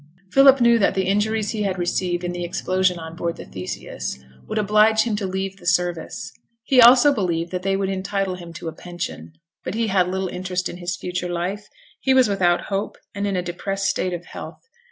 Philip knew that the injuries he had received in the explosion on board the Theseus would oblige him to leave the service. He also believed that they would entitle him to a pension. But he had little interest in his future life; he was without hope, and in a depressed state of health.